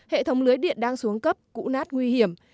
hệ thống lưới điện đang xuống cấp cũ nát nguy hiểm